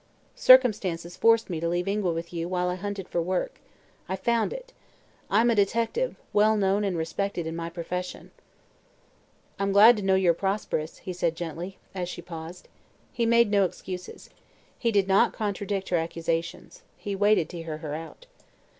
Circumstances forced me to leave Ingua with you while I hunted for work. I found it. I'm a detective, well known and respected in my profession." "I'm glad to know you are prosperous," he said gently, as she paused. He made no excuses. He did not contradict her accusations. He waited to hear her out.